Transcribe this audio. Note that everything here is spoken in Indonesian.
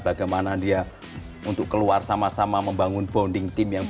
bagaimana dia untuk keluar sama sama membangun bonding tim yang